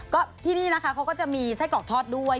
ก็ที่นี่นะคะเขาก็จะมีไส้กรอกทอดด้วย